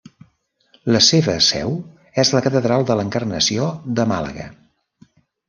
La seva seu és la Catedral de l'Encarnació de Màlaga.